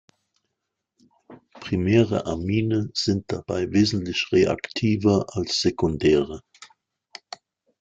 Primäre Amine sind dabei wesentlich reaktiver als sekundäre.